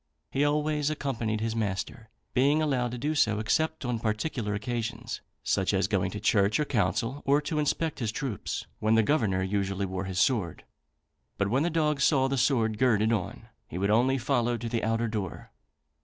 He always accompanied his master, being allowed to do so, except on particular occasions, such as going to church or council, or to inspect his troops, when the Governor usually wore his sword; but when the dog saw the sword girded on, he would only follow to the outer door.